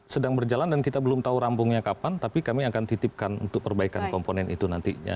sedang berjalan dan kita belum tahu rampungnya kapan tapi kami akan titipkan untuk perbaikan komponen itu nantinya